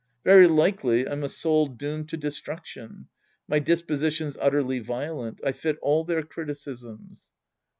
Very likely, I'm a soul doomed to destruction. My disposition's utterly violent. I fit all their criticisms.